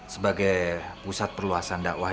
sebagai pusat perluasan dakwah